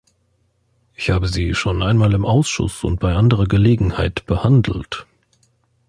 Ich habe sie schon einmal im Ausschuss und bei anderer Gelegenheit behandelt.